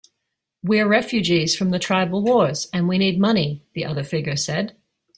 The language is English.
"We're refugees from the tribal wars, and we need money," the other figure said.